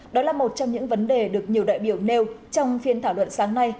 đó là một trong những vấn đề được nhiều đại biểu nêu trong phiên thảo luận sáng nay